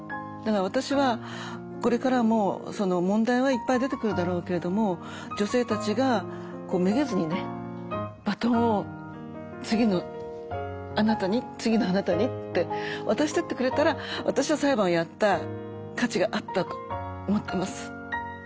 だから私はこれからも問題はいっぱい出てくるだろうけれども女性たちがめげずにねバトンを次のあなたに次のあなたにって渡していってくれたら私は裁判をやった価値があったと思ってます。